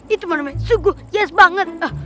itu mana suguh jazz banget